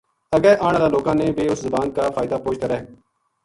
اگے آن ہالا لوکاں نا بے اس زبان کا فائدہ پوہچتا رہ